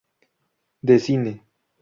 De cine.